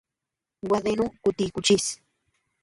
Gua deanu ku ti kuchis.